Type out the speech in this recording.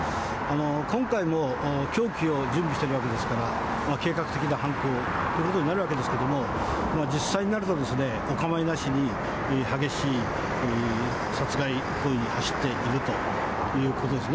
今回も凶器を準備しているわけですから、計画的な犯行ということになるわけですけれども、実際になると、お構いなしに、激しい殺害行為に走っているということですね。